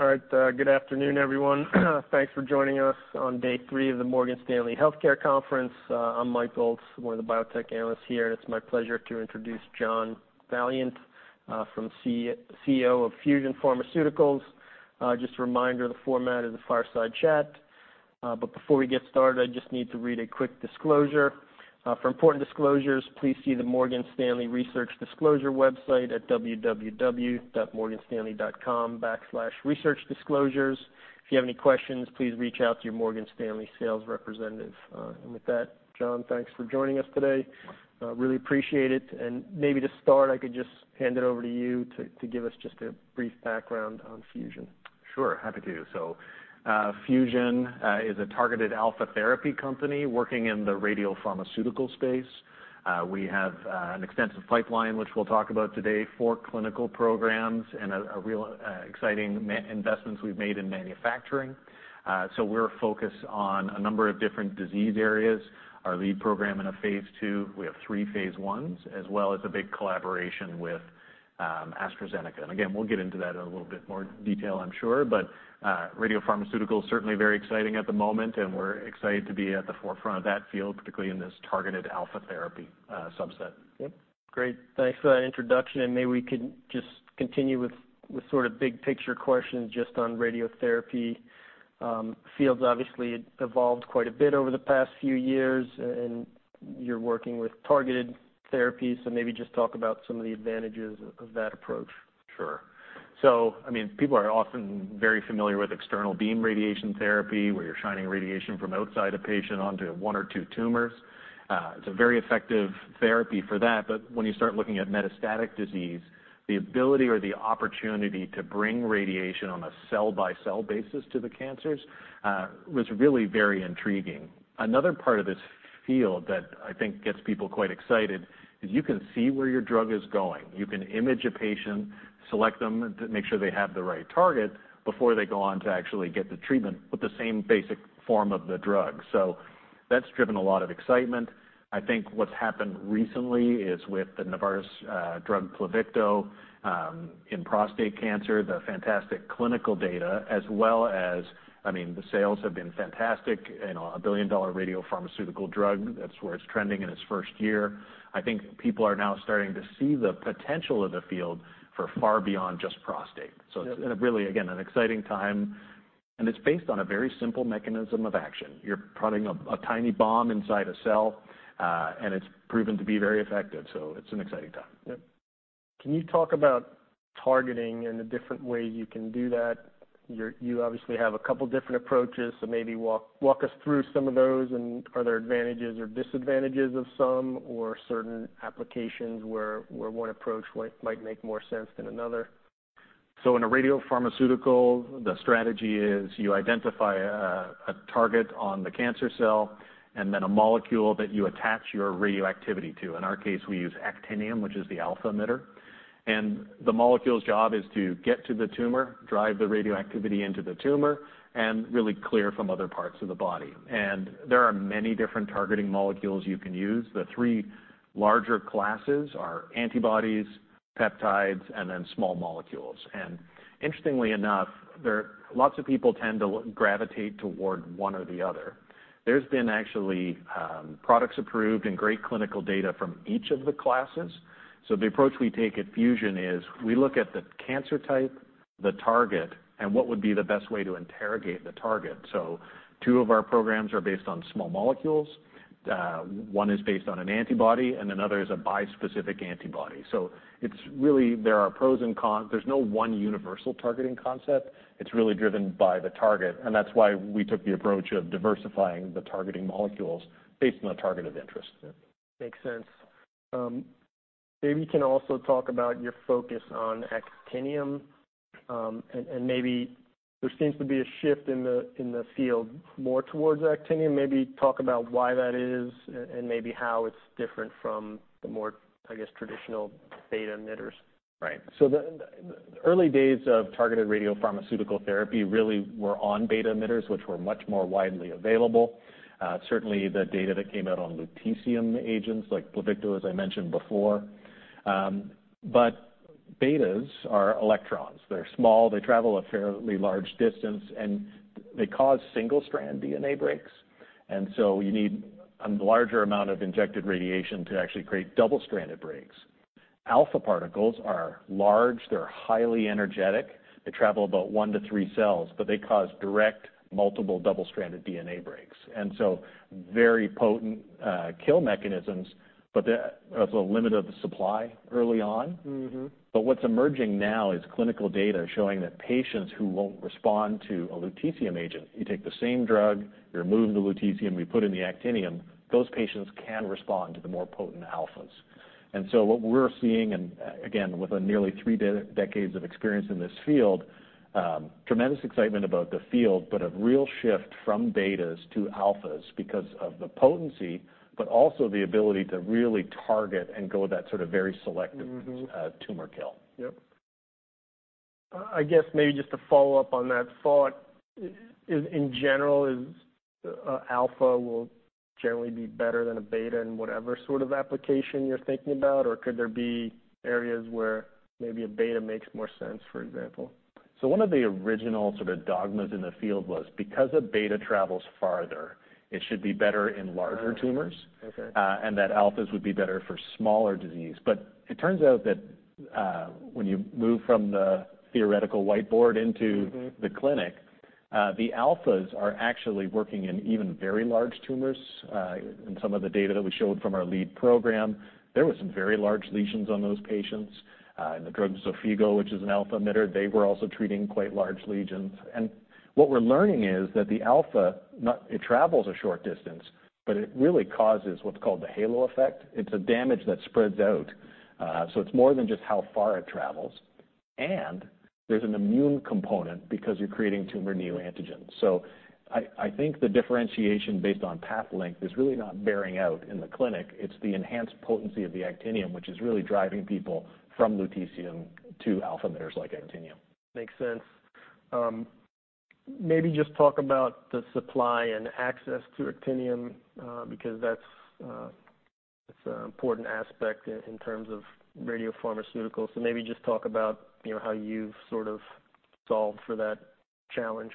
All right, good afternoon, everyone. Thanks for joining us on day three of the Morgan Stanley Healthcare Conference. I'm Mike Ulz, one of the biotech analysts here, and it's my pleasure to introduce John Valliant, CEO of Fusion Pharmaceuticals. Just a reminder, the format is a fireside chat. But before we get started, I just need to read a quick disclosure. For important disclosures, please see the Morgan Stanley Research Disclosure website at www.morganstanley.com/researchdisclosures. If you have any questions, please reach out to your Morgan Stanley sales representative. And with that, John, thanks for joining us today. Really appreciate it, and maybe to start, I could just hand it over to you to give us just a brief background on Fusion. Sure, happy to. So, Fusion is a targeted alpha therapy company working in the radiopharmaceutical space. We have an extensive pipeline, which we'll talk about today, four clinical programs and a real exciting manufacturing investments we've made in manufacturing. So we're focused on a number of different disease areas. Our lead program in a phase II, we have three phase I's, as well as a big collaboration with AstraZeneca. And again, we'll get into that in a little bit more detail, I'm sure. But radiopharmaceutical certainly very exciting at the moment, and we're excited to be at the forefront of that field, particularly in this targeted alpha therapy subset. Yep. Great. Thanks for that introduction, and maybe we can just continue with, with sort of big picture questions just on radiotherapy. Field's obviously evolved quite a bit over the past few years, and you're working with targeted therapies, so maybe just talk about some of the advantages of, of that approach. Sure. So, I mean, people are often very familiar with external beam radiation therapy, where you're shining radiation from outside a patient onto one or two tumors. It's a very effective therapy for that, but when you start looking at metastatic disease, the ability or the opportunity to bring radiation on a cell-by-cell basis to the cancers, was really very intriguing. Another part of this field that I think gets people quite excited is you can see where your drug is going. You can image a patient, select them, to make sure they have the right target, before they go on to actually get the treatment with the same basic form of the drug. So that's driven a lot of excitement. I think what's happened recently is with the Novartis drug Pluvicto in prostate cancer, the fantastic clinical data, as well as, I mean, the sales have been fantastic, and a billion-dollar radiopharmaceutical drug, that's where it's trending in its first year. I think people are now starting to see the potential of the field for far beyond just prostate. Yep. It's really, again, an exciting time, and it's based on a very simple mechanism of action. You're prodding a tiny bomb inside a cell, and it's proven to be very effective, so it's an exciting time. Yep. Can you talk about targeting and the different ways you can do that? You obviously have a couple different approaches, so maybe walk us through some of those, and are there advantages or disadvantages of some or certain applications where one approach might make more sense than another? So in a radiopharmaceutical, the strategy is you identify a target on the cancer cell and then a molecule that you attach your radioactivity to. In our case, we use actinium, which is the alpha emitter. And the molecule's job is to get to the tumor, drive the radioactivity into the tumor, and really clear from other parts of the body. And there are many different targeting molecules you can use. The three larger classes are antibodies, peptides, and then small molecules. And interestingly enough, lots of people tend to gravitate toward one or the other. There's been actually products approved and great clinical data from each of the classes, so the approach we take at Fusion is we look at the cancer type, the target, and what would be the best way to interrogate the target. So two of our programs are based on small molecules, one is based on an antibody, and another is a bispecific antibody. So it's really, there are pros and cons. There's no one universal targeting concept. It's really driven by the target, and that's why we took the approach of diversifying the targeting molecules based on the target of interest. Makes sense. Maybe you can also talk about your focus on actinium, and maybe there seems to be a shift in the field, more towards actinium. Maybe talk about why that is and maybe how it's different from the more, I guess, traditional beta emitters. Right. So the early days of targeted radiopharmaceutical therapy really were on beta emitters, which were much more widely available. Certainly the data that came out on lutetium agents, like Pluvicto, as I mentioned before. But betas are electrons. They're small, they travel a fairly large distance, and they cause single-strand DNA breaks, and so you need a larger amount of injected radiation to actually create double-stranded breaks. Alpha particles are large, they're highly energetic, they travel about one-three cells, but they cause direct multiple double-stranded DNA breaks, and so very potent kill mechanisms, but there's a limit of the supply early on. Mm-hmm. But what's emerging now is clinical data showing that patients who won't respond to a lutetium agent, you take the same drug, you remove the lutetium, you put in the actinium, those patients can respond to the more potent alphas. And so what we're seeing, and, again, with nearly three decades of experience in this field, tremendous excitement about the field, but a real shift from betas to alphas because of the potency, but also the ability to really target and go that sort of very selective- Mm-hmm... tumor kill. Yep. I guess maybe just to follow up on that thought. In general, is alpha will generally be better than a beta in whatever sort of application you're thinking about? Or could there be areas where maybe a beta makes more sense, for example? So one of the original sort of dogmas in the field was because a beta travels farther, it should be better in larger tumors. Okay. And that alphas would be better for smaller disease. But it turns out that, when you move from the theoretical whiteboard into- Mm-hmm In the clinic, the alphas are actually working in even very large tumors. In some of the data that we showed from our lead program, there were some very large lesions on those patients. And the drug Xofigo, which is an alpha emitter, they were also treating quite large lesions. And what we're learning is that the alpha, not it travels a short distance, but it really causes what's called the halo effect. It's a damage that spreads out, so it's more than just how far it travels. And there's an immune component because you're creating tumor neoantigens. So I, I think the differentiation based on path length is really not bearing out in the clinic. It's the enhanced potency of the actinium, which is really driving people from lutetium to alpha emitters like actinium. Makes sense. Maybe just talk about the supply and access to actinium, because that's, it's an important aspect in terms of radiopharmaceuticals. So maybe just talk about, you know, how you've sort of solved for that challenge.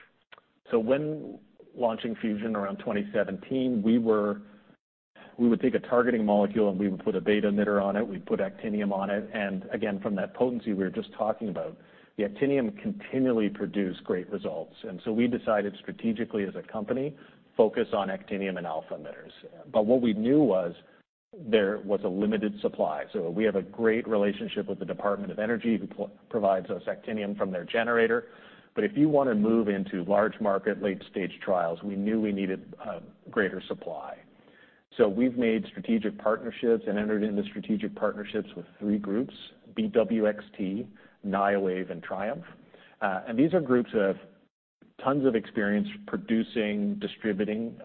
So when launching Fusion around 2017, we would take a targeting molecule, and we would put a beta emitter on it, we'd put actinium on it. Again, from that potency we were just talking about, the actinium continually produced great results. So we decided strategically as a company, focus on actinium and alpha emitters. But what we knew was there was a limited supply. So we have a great relationship with the Department of Energy, who provides us actinium from their generator. But if you want to move into large market, late-stage trials, we knew we needed greater supply. So we've made strategic partnerships and entered into strategic partnerships with three groups, BWXT, Niowave, and TRIUMF. And these are groups that have tons of experience producing, distributing,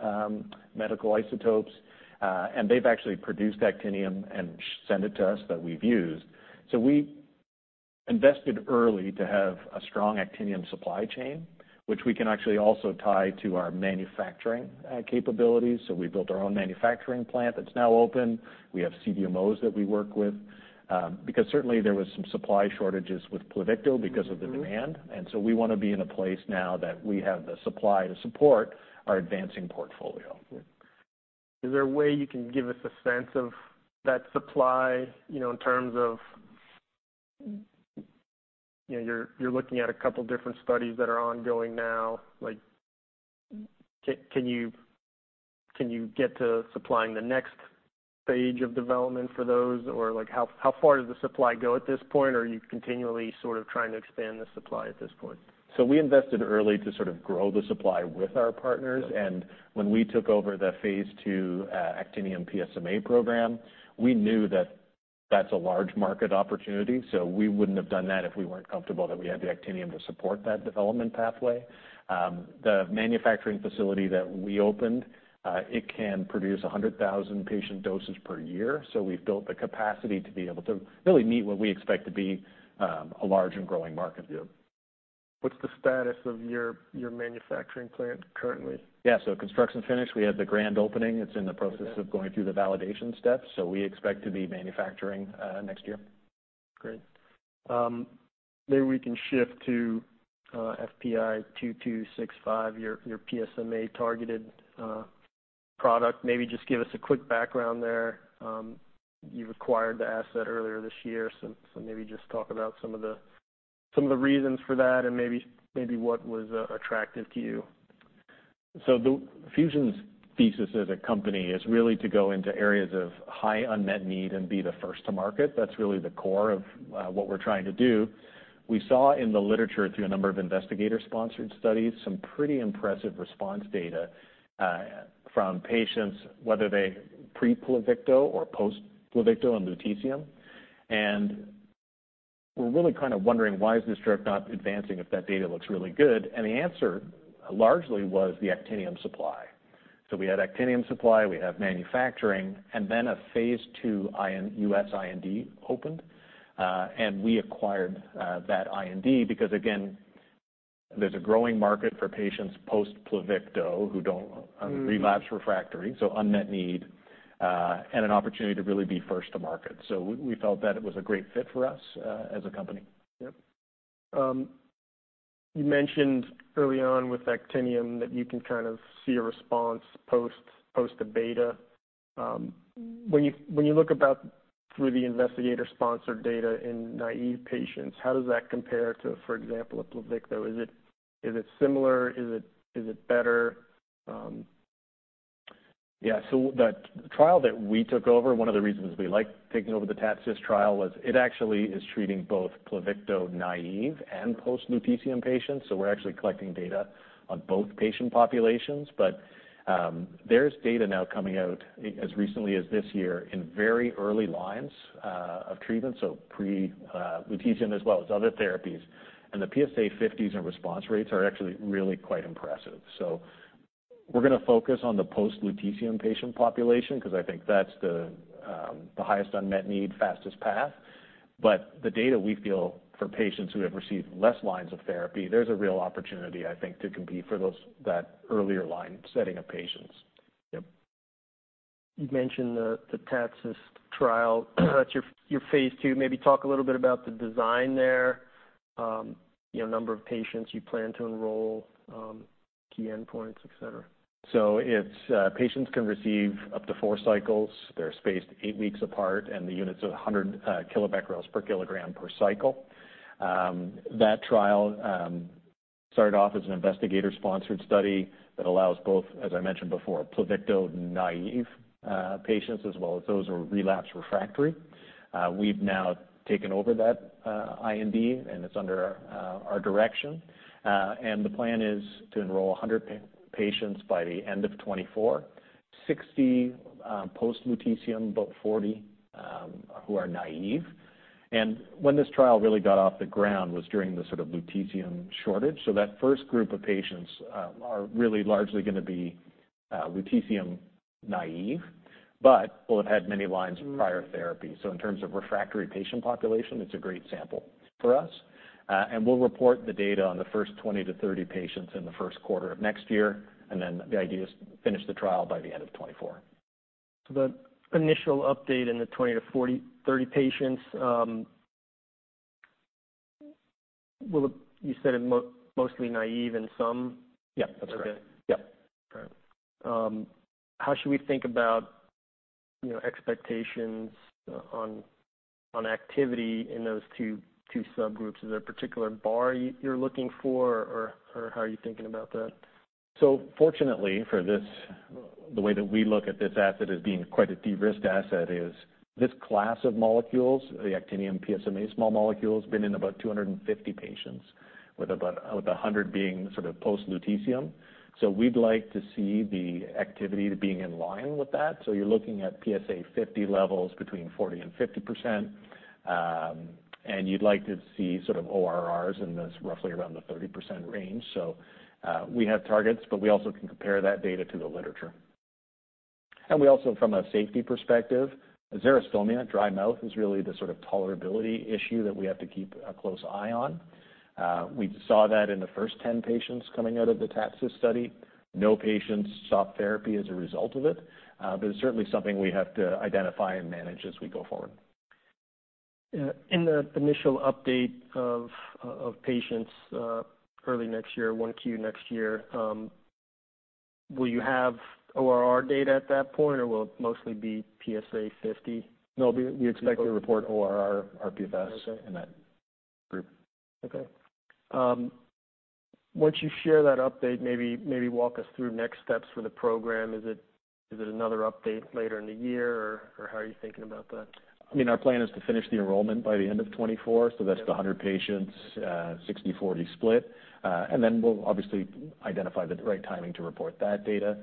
medical isotopes, and they've actually produced actinium and sent it to us that we've used. So we invested early to have a strong actinium supply chain, which we can actually also tie to our manufacturing, capabilities. So we built our own manufacturing plant that's now open. We have CDMOs that we work with, because certainly there was some supply shortages with Pluvicto because of the demand. Mm-hmm. And so we want to be in a place now that we have the supply to support our advancing portfolio. Is there a way you can give us a sense of that supply, you know, in terms of, you know, you're looking at a couple different studies that are ongoing now? Like, can you get to supplying the next stage of development for those, or like, how far does the supply go at this point, or are you continually sort of trying to expand the supply at this point? We invested early to sort of grow the supply with our partners. Okay. When we took over the phase II actinium PSMA program, we knew that that's a large market opportunity, so we wouldn't have done that if we weren't comfortable that we had the actinium to support that development pathway. The manufacturing facility that we opened, it can produce 100,000 patient doses per year. We've built the capacity to be able to really meet what we expect to be, a large and growing market. Yeah. What's the status of your, your manufacturing plant currently? Yeah. So construction finished. We had the grand opening. Okay. It's in the process of going through the validation steps, so we expect to be manufacturing next year. Great. Maybe we can shift to FPI-2265, your PSMA-targeted product. Maybe just give us a quick background there. You acquired the asset earlier this year, so maybe just talk about some of the reasons for that and maybe what was attractive to you. So the Fusion's thesis as a company is really to go into areas of high unmet need and be the first to market. That's really the core of what we're trying to do. We saw in the literature, through a number of investigator-sponsored studies, some pretty impressive response data from patients, whether they pre-Pluvicto or post-Pluvicto and lutetium. We're really kind of wondering, why is this drug not advancing if that data looks really good? The answer largely was the actinium supply. So we had actinium supply, we have manufacturing, and then a phase II U.S. IND opened and we acquired that IND because, again, there's a growing market for patients post-Pluvicto who don't- Mm-hmm. relapse/refractory, so unmet need, and an opportunity to really be first to market. So we, we felt that it was a great fit for us, as a company. Yep. You mentioned early on with actinium that you can kind of see a response post abeta. When you look about through the investigator-sponsored data in naive patients, how does that compare to, for example, a Pluvicto? Is it similar? Is it better? Yeah. So the trial that we took over, one of the reasons we liked taking over the TATCIST trial was it actually is treating both Pluvicto-naive and post-lutetium patients, so we're actually collecting data on both patient populations. But there's data now coming out as recently as this year in very early lines of treatment, so pre-lutetium, as well as other therapies. And the PSA50s and response rates are actually really quite impressive. So we're gonna focus on the post-lutetium patient population, because I think that's the highest unmet need, fastest path. But the data we feel for patients who have received less lines of therapy, there's a real opportunity, I think, to compete for those, that earlier line setting of patients. Yep. You mentioned the TATCIST trial. That's your phase 2. Maybe talk a little bit about the design there, you know, number of patients you plan to enroll, key endpoints, et cetera. So it's patients can receive up to four cycles. They're spaced eight weeks apart, and the unit's 100 kilobecquerels per kilogram per cycle. That trial started off as an investigator-sponsored study that allows both, as I mentioned before, Pluvicto naive patients, as well as those who are relapse refractory. We've now taken over that IND, and it's under our direction. And the plan is to enroll 100 patients by the end of 2024, 60 post lutetium, about 40 who are naive. And when this trial really got off the ground was during the sort of lutetium shortage. So that first group of patients are really largely gonna be lutetium naive, but will have had many lines of prior therapy. So in terms of refractory patient population, it's a great sample for us. And we'll report the data on the first 20-30 patients in the Q1 of next year, and then the idea is to finish the trial by the end of 2024. So the initial update in the 20-40, 30 patients, will—you said mostly naive and some? Yeah, that's right. Okay. Yeah. All right. How should we think about, you know, expectations, on activity in those two subgroups? Is there a particular bar you, you're looking for, or how are you thinking about that? So fortunately, for this, the way that we look at this asset as being quite a de-risked asset is, this class of molecules, the actinium PSMA small molecule, has been in about 250 patients, with about, with 100 being sort of post lutetium. So we'd like to see the activity to being in line with that. So you're looking at PSA50 levels between 40% and 50%. And you'd like to see sort of ORRs in this roughly around the 30% range. So, we have targets, but we also can compare that data to the literature. And we also, from a safety perspective, xerostomia, dry mouth, is really the sort of tolerability issue that we have to keep a close eye on. We saw that in the first 10 patients coming out of the TATCIST study. No patients stopped therapy as a result of it, but it's certainly something we have to identify and manage as we go forward. In the initial update of patients early next year, 1Q next year, will you have ORR data at that point, or will it mostly be PSA50? No, we expect to report ORR, rPFS- Okay in that group. Okay. Once you share that update, maybe walk us through next steps for the program. Is it another update later in the year, or how are you thinking about that? I mean, our plan is to finish the enrollment by the end of 2024, so that's the 100 patients, 60/40 split. And then we'll obviously identify the right timing to report that data.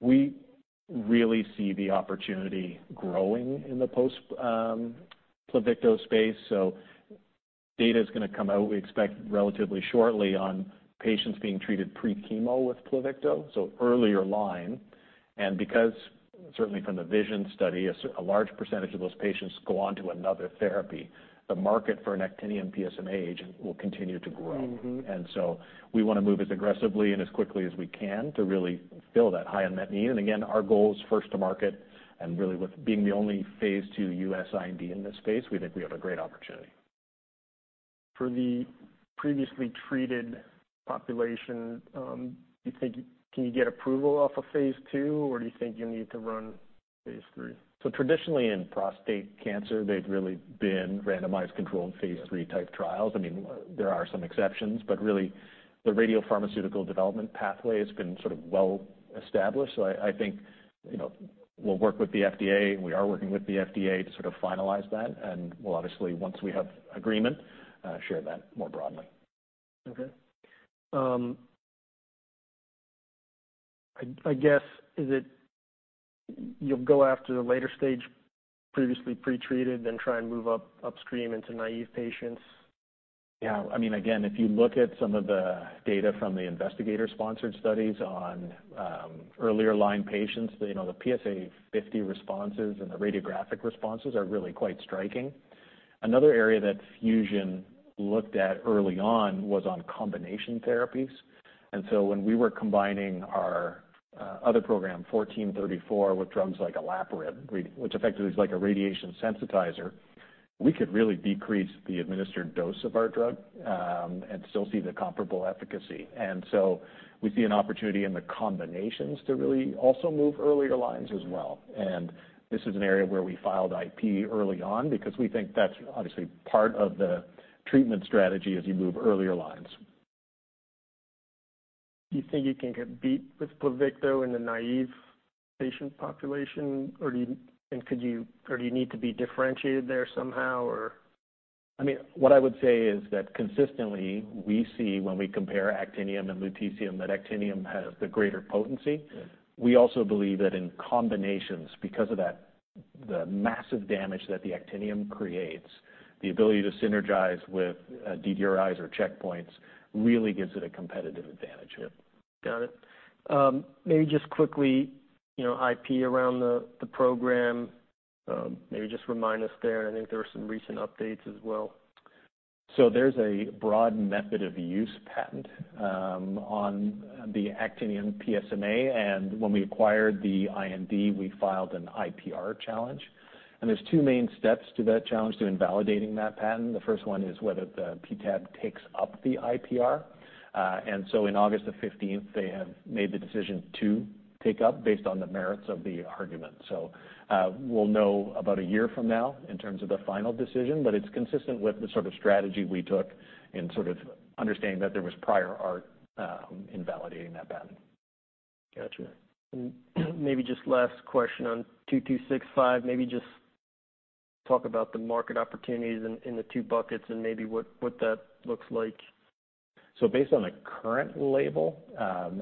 We really see the opportunity growing in the post Pluvicto space, so data is gonna come out, we expect relatively shortly, on patients being treated pre-chemo with Pluvicto, so earlier line. And because certainly from the VISION study, a large percentage of those patients go on to another therapy, the market for an actinium PSMA agent will continue to grow. Mm-hmm. And so we want to move as aggressively and as quickly as we can to really fill that high unmet need. And again, our goal is first to market, and really with being the only phase II U.S. IND in this space, we think we have a great opportunity. For the previously treated population, do you think... Can you get approval off of phase II, or do you think you need to run phase III? So traditionally in prostate cancer, they've really been randomized controlled Phase III type trials. I mean, there are some exceptions, but really, the radiopharmaceutical development pathway has been sort of well established. So I think, you know, we'll work with the FDA, and we are working with the FDA to sort of finalize that, and we'll obviously, once we have agreement, share that more broadly. Okay. I guess, is it you'll go after the later stage, previously pretreated, then try and move upstream into naive patients? Yeah. I mean, again, if you look at some of the data from the investigator-sponsored studies on earlier line patients, you know, the PSA50 responses and the radiographic responses are really quite striking. Another area that Fusion looked at early on was on combination therapies. And so when we were combining our other program, 1434, with drugs like olaparib, which effectively is like a radiation sensitizer, we could really decrease the administered dose of our drug, and still see the comparable efficacy. And so we see an opportunity in the combinations to really also move earlier lines as well. And this is an area where we filed IP early on because we think that's obviously part of the treatment strategy as you move earlier lines. Do you think you can get beat with Pluvicto in the naive patient population? Or do you need to be differentiated there somehow, or? I mean, what I would say is that consistently, we see when we compare actinium and lutetium, that actinium has the greater potency. Yeah. We also believe that in combinations, because of that potency-... The massive damage that the actinium creates, the ability to synergize with, DDRIs or checkpoints really gives it a competitive advantage. Yep, got it. Maybe just quickly, you know, IP around the program, maybe just remind us there. I think there were some recent updates as well. So there's a broad method of use patent on the actinium PSMA, and when we acquired the IND, we filed an IPR challenge. There's two main steps to that challenge to invalidating that patent. The first one is whether the PTAB takes up the IPR. And so in August 15th, they have made the decision to take up based on the merits of the argument. So we'll know about a year from now in terms of the final decision, but it's consistent with the sort of strategy we took in sort of understanding that there was prior art in validating that patent. Gotcha. And maybe just last question on 2265. Maybe just talk about the market opportunities in, in the two buckets and maybe what, what that looks like. Based on the current label,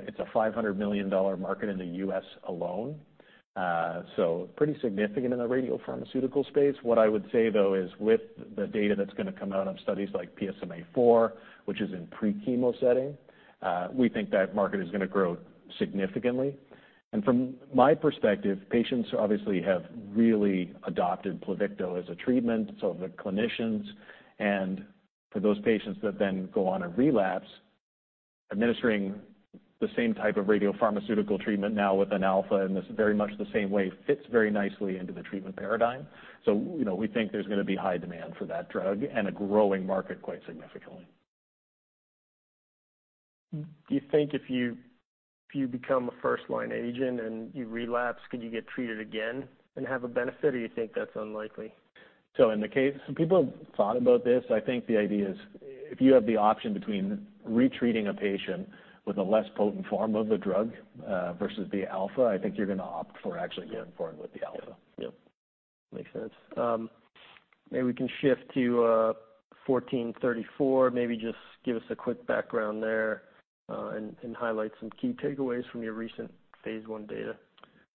it's a $500 million market in the U.S. alone. Pretty significant in the radiopharmaceutical space. What I would say, though, is with the data that's gonna come out of studies like PSMAfore, which is in pre-chemo setting, we think that market is gonna grow significantly. From my perspective, patients obviously have really adopted Pluvicto as a treatment, so have the clinicians, and for those patients that then go on and relapse, administering the same type of radiopharmaceutical treatment now with an alpha in this very much the same way, fits very nicely into the treatment paradigm. You know, we think there's gonna be high demand for that drug and a growing market quite significantly. Do you think if you, if you become a first-line agent and you relapse, could you get treated again and have a benefit, or you think that's unlikely? So in the case... People have thought about this. I think the idea is, if you have the option between retreating a patient with a less potent form of the drug, versus the alpha, I think you're gonna opt for actually going forward with the alpha. Yep, makes sense. Maybe we can shift to 1434. Maybe just give us a quick background there, and highlight some key takeaways from your recent phase I data.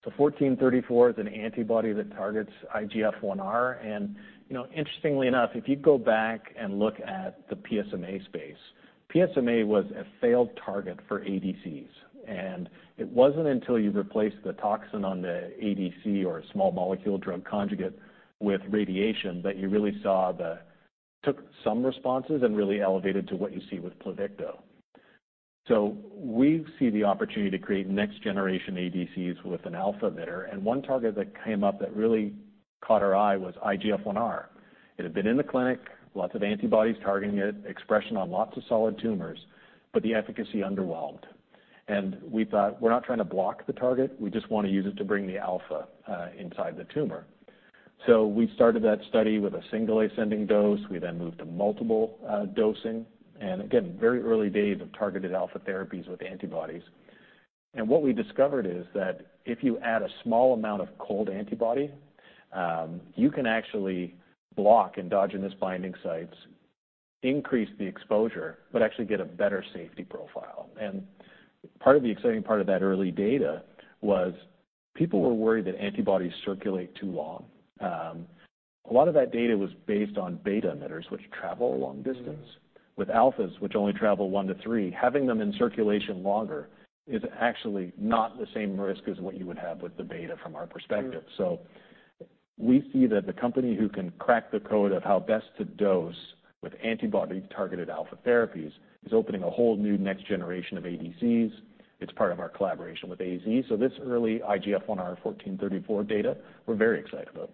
So 1434 is an antibody that targets IGF-1R. And, you know, interestingly enough, if you go back and look at the PSMA space, PSMA was a failed target for ADCs, and it wasn't until you replaced the toxin on the ADC or a small molecule drug conjugate with radiation, that you really saw, took some responses and really elevated to what you see with Pluvicto. So we see the opportunity to create next generation ADCs with an alpha emitter, and one target that came up that really caught our eye was IGF-1R. It had been in the clinic, lots of antibodies targeting it, expression on lots of solid tumors, but the efficacy underwhelmed. And we thought, we're not trying to block the target, we just want to use it to bring the alpha inside the tumor. So we started that study with a single ascending dose. We then moved to multiple dosing, and again, very early days of targeted alpha therapies with antibodies. What we discovered is that if you add a small amount of cold antibody, you can actually block endogenous binding sites, increase the exposure, but actually get a better safety profile. Part of the exciting part of that early data was people were worried that antibodies circulate too long. A lot of that data was based on beta emitters, which travel a long distance. Mm-hmm. With alphas, which only travel one-three, having them in circulation longer is actually not the same risk as what you would have with the beta from our perspective. Sure. So we see that the company who can crack the code of how best to dose with antibody-targeted alpha therapies, is opening a whole new next generation of ADCs. It's part of our collaboration with AZ. So this early IGF-1R 1434 data, we're very excited about.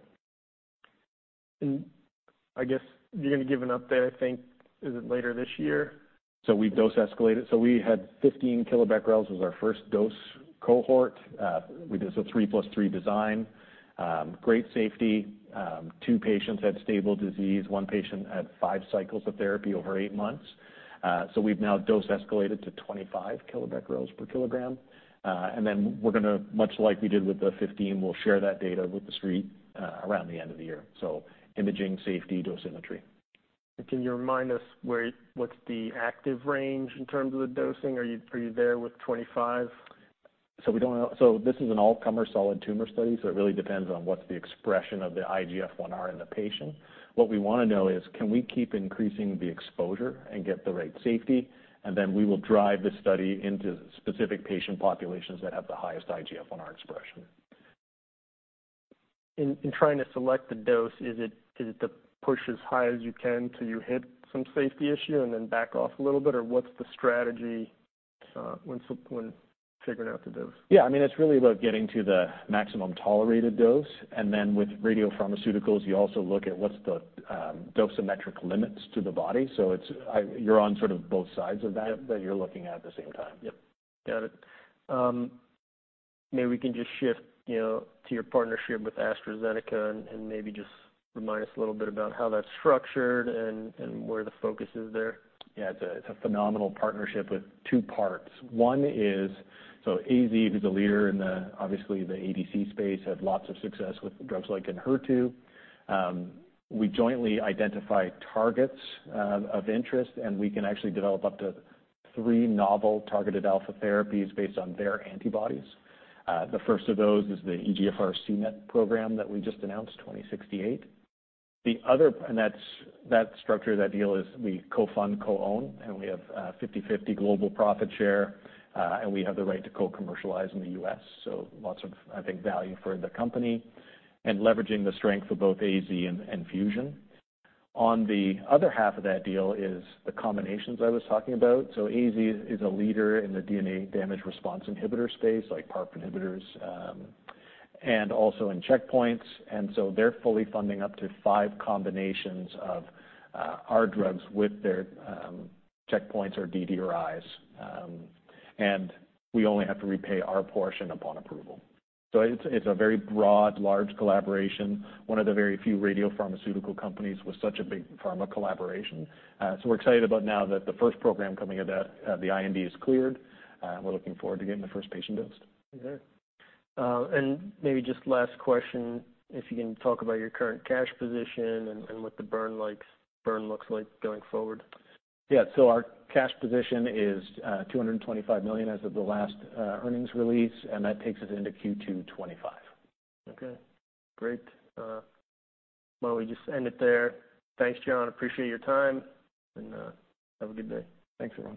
I guess you're gonna give an update, I think, is it later this year? So we've dose escalated. So we had 15 kilobecquerels was our first dose cohort. It was a 3 + 3 design. Great safety. Two patients had stable disease, one patient had five cycles of therapy over eight months. So we've now dose escalated to 25 kilobecquerels per kilogram. And then we're gonna, much like we did with the fifteen, we'll share that data with the street, around the end of the year. So imaging, safety, dosimetry. Can you remind us where, what's the active range in terms of the dosing? Are you, are you there with 25? So we don't know... So this is an all-comer solid tumor study, so it really depends on what's the expression of the IGF-1R in the patient. What we wanna know is, can we keep increasing the exposure and get the right safety? And then we will drive the study into specific patient populations that have the highest IGF-1R expression. In trying to select the dose, is it to push as high as you can till you hit some safety issue and then back off a little bit? Or what's the strategy, when figuring out the dose? Yeah, I mean, it's really about getting to the maximum tolerated dose, and then with radiopharmaceuticals, you also look at what's the dosimetric limits to the body. So it's... You're on sort of both sides of that- Yep. that you're looking at the same time. Yep, got it. Maybe we can just shift, you know, to your partnership with AstraZeneca and, and maybe just remind us a little bit about how that's structured and, and where the focus is there? Yeah, it's a phenomenal partnership with two parts. One is, so AZ, who's a leader in the, obviously the ADC space, had lots of success with drugs like Enhertu. We jointly identify targets of interest, and we can actually develop up to three novel targeted alpha therapies based on their antibodies. The first of those is the EGFR c-Met program that we just announced, FPI-2068. The other and that's, that structure, that deal is we co-fund, co-own, and we have 50/50 global profit share, and we have the right to co-commercialize in the U.S. So lots of, I think, value for the company and leveraging the strength of both AZ and Fusion. On the other half of that deal is the combinations I was talking about. So AZ is a leader in the DNA damage response inhibitor space, like PARP inhibitors, and also in checkpoints, and so they're fully funding up to five combinations of our drugs with their checkpoints or DDRIs. And we only have to repay our portion upon approval. So it's a very broad, large collaboration, one of the very few radiopharmaceutical companies with such a big pharma collaboration. So we're excited about now that the first program coming out of that, the IND is cleared, we're looking forward to getting the first patient dosed. Okay. Maybe just last question, if you can talk about your current cash position and what the burn looks like going forward. Yeah. So our cash position is $225 million as of the last earnings release, and that takes us into Q2 2025. Okay, great. Well, we just end it there. Thanks, John. Appreciate your time, and have a good day. Thanks, everyone.